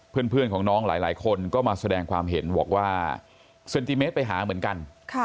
เพื่อนของน้องหลายคนก็มาแสดงความเห็นบอกว่าเซนติเมตรไปหาเหมือนกัน